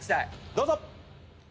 どうぞ！